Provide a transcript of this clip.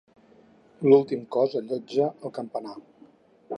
L'últim cos allotja el campanar.